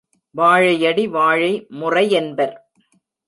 வாழையடி வாழை முறை யென்பர்.